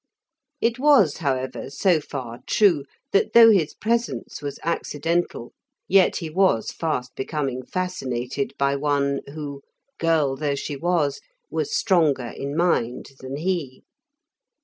It was, however, so far true, that though his presence was accidental, yet he was fast becoming fascinated by one who, girl though she was, was stronger in mind than he.